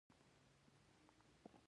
افریقایي متل وایي کبر د پوهې مخه نیسي.